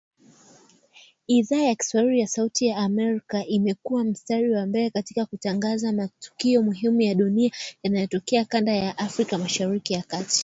Idhaa ya kiswahili ya Sauti ya Amerika imekua mstari wa mbele katika kutangaza matukio muhimu ya dunia na yanayotokea kanda ya Afrika Mashariki na Kati.